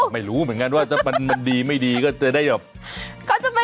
ไม่รู้เหมือนกันว่าถ้ามันดีไม่ดีก็จะได้แบบ